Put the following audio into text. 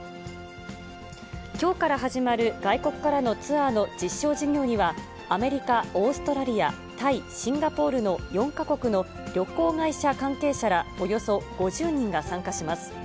きょうから始まる外国からのツアーの実証事業には、アメリカ、オーストラリア、タイ、シンガポールの４か国の旅行会社関係者ら、およそ５０人が参加します。